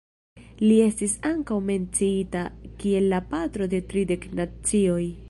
Li estis ankaŭ menciita kiel la patro de tridek nacioj.